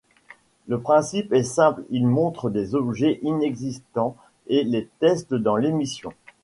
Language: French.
Le principe est simple, il montre des objets inexistants et les teste dans l'émission.